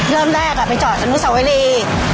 เริ่มแรกไปจอดอนุสวรี